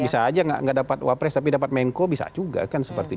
bisa aja nggak dapat wapres tapi dapat menko bisa juga kan seperti itu